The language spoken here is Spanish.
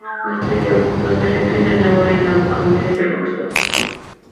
Los territorios del nuevo reino aún debían ser conquistados.